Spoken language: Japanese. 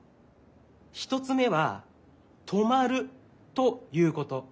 １つめはとまるということ。